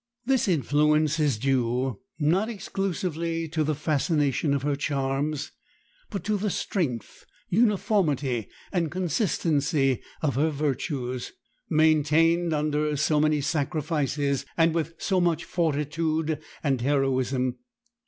This influence is due not exclusively to the fascination of her charms, but to the strength, uniformity, and consistency of her virtues, maintained under so many sacrifices and with so much fortitude and heroism.